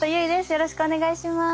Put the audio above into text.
よろしくお願いします。